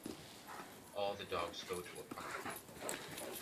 All the dogs go to a park.